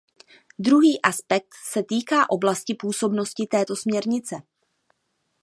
Druhý aspekt se týká oblasti působnosti této směrnice.